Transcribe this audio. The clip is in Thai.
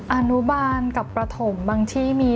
อนุบาลกับประถมบางที่มี